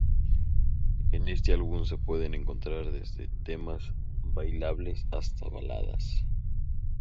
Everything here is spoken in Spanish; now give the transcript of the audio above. En este álbum se pueden encontrar desde temas bailables hasta baladas.